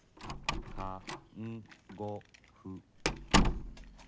か、ん、ご、ふ。